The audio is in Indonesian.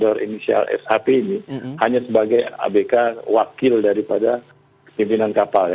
berinisial sap ini hanya sebagai abk wakil daripada pimpinan kapal